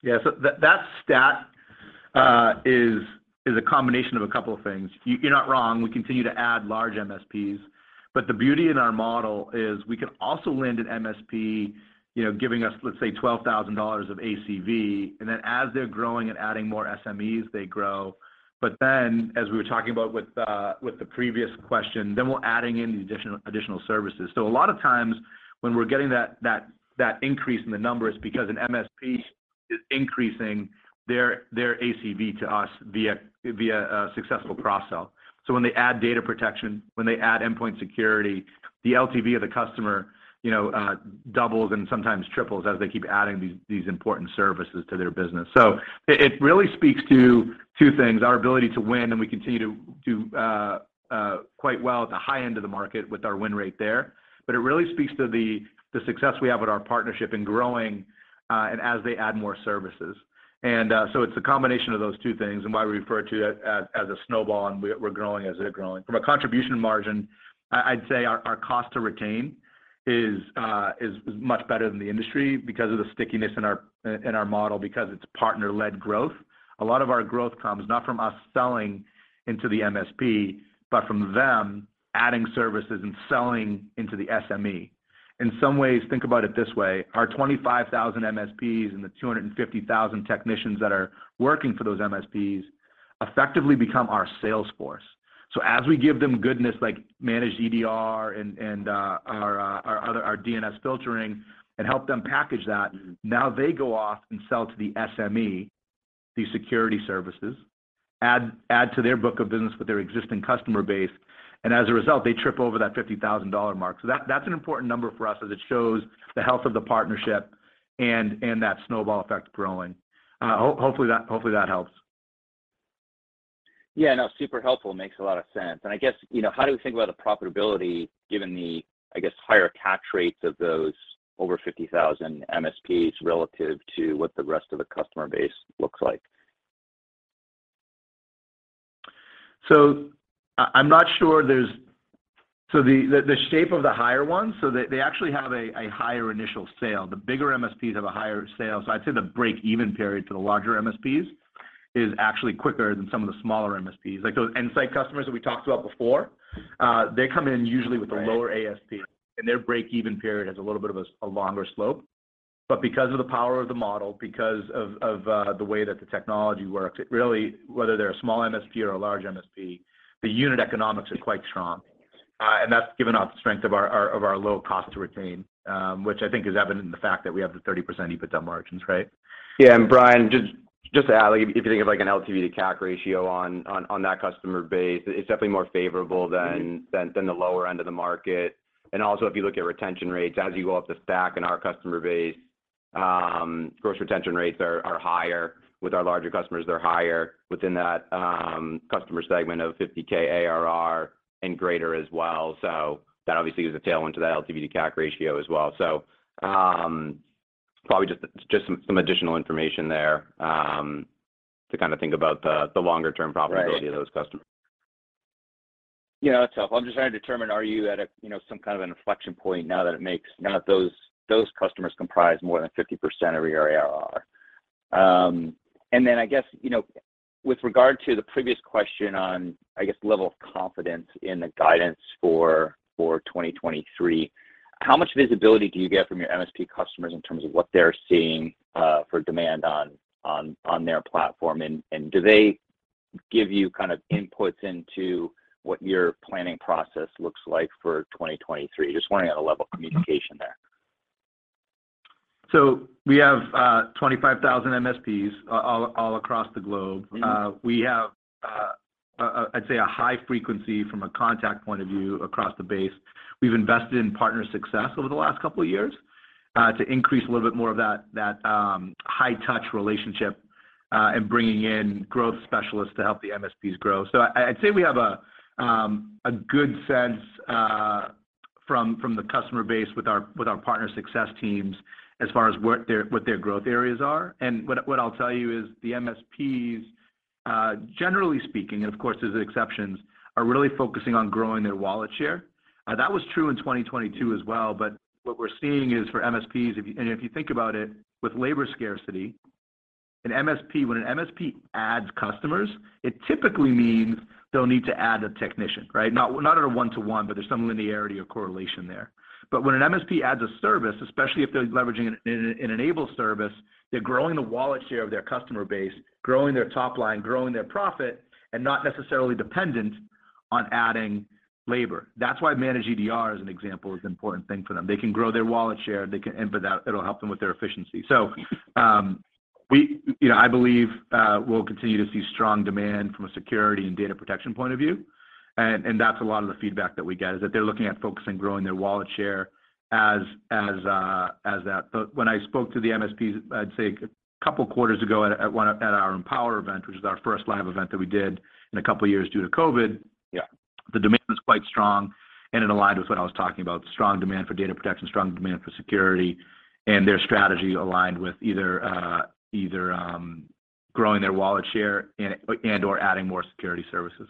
Yeah. That stat is a combination of a couple of things. You're not wrong, we continue to add large MSPs, the beauty in our model is we can also land an MSP, you know, giving us, let’s say, $12,000 of ACV, and then as they're growing and adding more SMEs, they grow. As we were talking about with the previous question, then we're adding in these additional services. A lot of times when we're getting that increase in the numbers, because an MSPs increasing their ACV to us via successful cross-sell. When they add data protection, when they add endpoint security, the LTV of the customer, you know, doubles and sometimes triples as they keep adding these important services to their business. It really speaks to two things, our ability to win, and we continue to do quite well at the high end of the market with our win rate there. It really speaks to the success we have with our partnership in growing, and as they add more services. It's a combination of those two things and why we refer to it as a snowball, and we're growing as they're growing. From a contribution margin, I'd say our cost to retain is much better than the industry because of the stickiness in our model because it's partner-led growth. A lot of our growth comes not from us selling into the MSP, but from them adding services and selling into the SME. In some ways, think about it this way, our 25,000 MSPs and the 250,000 technicians that are working for those MSPs effectively become our sales force. As we give them goodness like Managed EDR and our DNS Filtering and help them package that, now they go off and sell to the SME these security services, add to their book of business with their existing customer base, and as a result, they trip over that $50,000 mark. That, that's an important number for us as it shows the health of the partnership and that snowball effect growing. Hopefully that helps. Yeah, no, super helpful, makes a lot of sense. I guess, you know, how do we think about the profitability given the, I guess, higher catch rates of those over 50,000 MSPs relative to what the rest of the customer base looks like? The shape of the higher ones, so they actually have a higher initial sale. The bigger MSPs have a higher sale. I'd say the break-even period for the larger MSPs is actually quicker than some of the smaller MSPs. Like those N-sight customers that we talked about before, they come in usually. Right... with a lower ASP, and their break-even period has a little bit of a longer slope. Because of the power of the model, because of, the way that the technology works, it really, whether they're a small MSP or a large MSP, the unit economics are quite strong. That's given off the strength of our, of our low cost to retain, which I think is evident in the fact that we have the 30% EBITDA margins, right? Yeah, Brian, just to add, like if you think of like an LTV to CAC ratio on that customer base, it's definitely more favorable. Mm-hmm... than the lower end of the market. Also if you look at retention rates, as you go up the stack in our customer base, gross retention rates are higher. With our larger customers they're higher within that customer segment of $50,000 ARR and greater as well. That obviously is a tailwind to that LTV to CAC ratio as well. Probably just some additional information there to kind of think about the longer term profitability. Right of those customers. Yeah, that's helpful. I'm just trying to determine are you at a, you know, some kind of an inflection point now that those customers comprise more than 50% of your ARR? I guess, you know, with regard to the previous question on, I guess, level of confidence in the guidance for 2023, how much visibility do you get from your MSP customers in terms of what they're seeing for demand on their platform? Do they give you kind of inputs into what your planning process looks like for 2023? Just wondering on the level of communication there. We have, 25,000 MSPs all across the globe. Mm-hmm. We have, I'd say a high frequency from a contact point of view across the base. We've invested in partner success over the last couple of years to increase a little bit more of that high touch relationship in bringing in growth specialists to help the MSPs grow. I'd say we have a good sense from the customer base with our partner success teams as far as what their growth areas are. What I'll tell you is the MSPs, generally speaking, and of course there's exceptions, are really focusing on growing their wallet share. That was true in 2022 as well, what we're seeing is for MSPs if... If you think about it, with labor scarcity, when an MSP adds customers, it typically means they'll need to add a technician, right? Not, not on a one-to-one, but there's some linearity or correlation there. When an MSP adds a service, especially if they're leveraging an N-able service, they're growing the wallet share of their customer base, growing their top line, growing their profit, and not necessarily dependent on adding labor. That's why Managed EDR as an example is an important thing for them. They can grow their wallet share. They can, and for that, it'll help them with their efficiency. We, you know, I believe, we'll continue to see strong demand from a security and data protection point of view. That's a lot of the feedback that we get, is that they're looking at focusing growing their wallet share as, as that. When I spoke to the MSPs, I'd say a couple quarters ago at our Empower event, which was our first live event that we did in a couple of years due to COVID. Yeah ... the demand was quite strong, and it aligned with what I was talking about, strong demand for data protection, strong demand for security, and their strategy aligned with either growing their wallet share and/or adding more security services.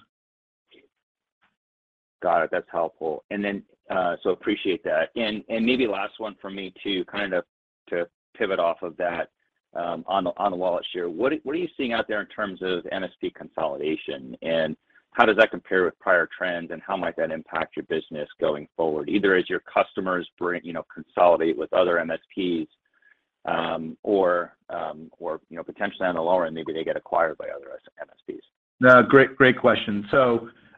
Got it. That's helpful. Appreciate that, and maybe last one from me too, kind of to pivot off of that, on the wallet share. What are you seeing out there in terms of MSP consolidation, and how does that compare with prior trends, and how might that impact your business going forward? Your customers bring, you know, consolidate with other MSPs, or, you know, potentially on the lower end, maybe they get acquired by other MSPs. Great, great question.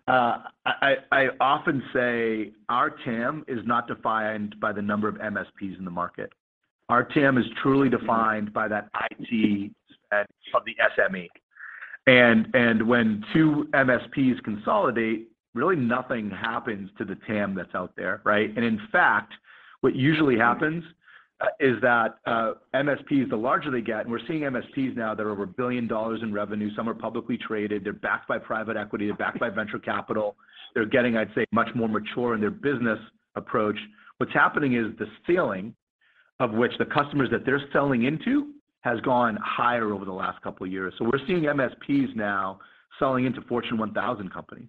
I often say our TAM is not defined by the number of MSPs in the market. Our TAM is truly defined by that IT spend of the SME. When two MSPs consolidate, really nothing happens to the TAM that's out there, right? What usually happens is that MSPs, the larger they get, and we're seeing MSPs now that are over $1 billion in revenue, some are publicly traded, they're backed by private equity, they're backed by venture capital. They're getting, I'd say, much more mature in their business approach. What's happening is the ceiling of which the customers that they're selling into has gone higher over the last couple of years. We're seeing MSPs now selling into Fortune 1,000 companies.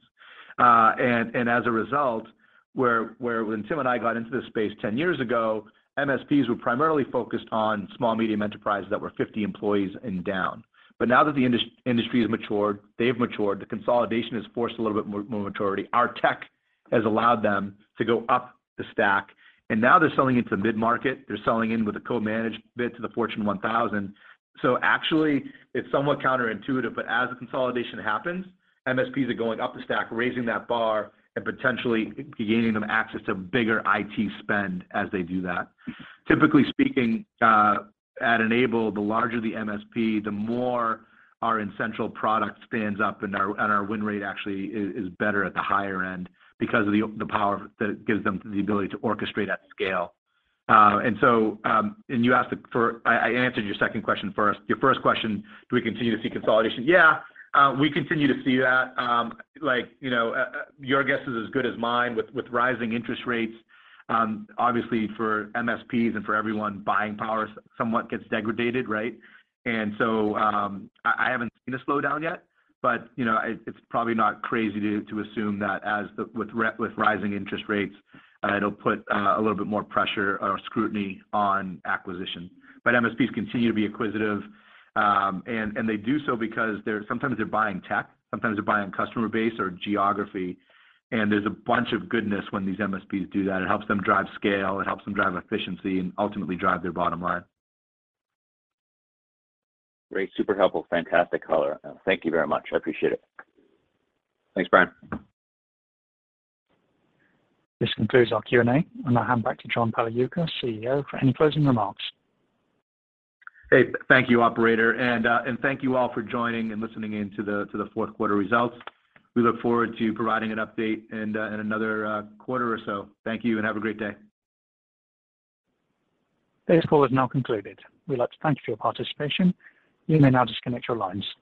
As a result, where when Tim and I got into this space 10 years ago, MSPs were primarily focused on small, medium enterprise that were 50 employees and down. Now that the industry has matured, they've matured, the consolidation has forced a little bit more maturity. Our tech has allowed them to go up the stack, and now they're selling into mid-market. They're selling in with a co-managed bit to the Fortune 1000. Actually, it's somewhat counterintuitive, but as the consolidation happens, MSPs are going up the stack, raising that bar and potentially gaining them access to bigger IT spend as they do that. Typically speaking, at N-able, the larger the MSP, the more our N-central product spans up, and our win rate actually is better at the higher end because of the power that gives them the ability to orchestrate at scale. So, you asked for-- I answered your second question first. Your first question, do we continue to see consolidation? Yeah, we continue to see that. Like, you know, your guess is as good as mine with rising interest rates. Obviously, for MSPs and for everyone, buying power somewhat gets degraded, right? So, I haven't seen a slowdown yet, but, you know, it's probably not crazy to assume that with rising interest rates, it'll put a little bit more pressure or scrutiny on acquisition. MSPs continue to be acquisitive, and they do so because sometimes they're buying tech, sometimes they're buying customer base or geography, and there's a bunch of goodness when these MSPs do that. It helps them drive scale, it helps them drive efficiency, and ultimately drive their bottom line. Great. Super helpful. Fantastic color. Thank you very much. I appreciate it. Thanks, Brian. This concludes our Q&A. I'm going to hand it back to John Pagliuca, CEO, for any closing remarks. Hey, thank you, Operator. Thank you all for joining and listening in to the fourth quarter results. We look forward to providing an update in another quarter or so. Thank you, and have a great day. This call is now concluded. We'd like to thank you for your participation. You may now disconnect your lines.